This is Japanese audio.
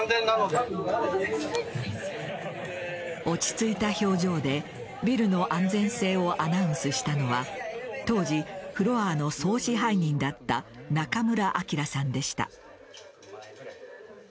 落ち着いた表情でビルの安全性をアナウンスしたのは当時フロアの総支配人だった中村章さんでした。